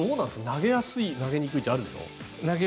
投げやすい、投げにくいってあるでしょう？